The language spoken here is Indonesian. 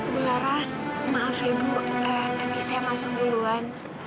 bu laras maaf ya bu tapi saya masuk duluan